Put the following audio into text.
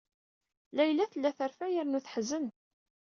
Layla tella terfa yernu teḥzen.